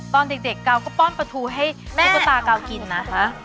ตอนเด็กกาวก็ป้อนปลาทูให้แม่ตุ๊กตากาวกินนะคะ